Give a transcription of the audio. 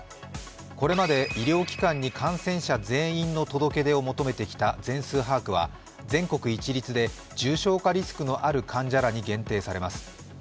これまで医療機関に感染者全員の届け出を求めてきた全数把握は全国一律で重症化リスクのある患者らに限定されます。